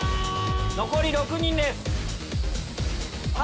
残り６人です。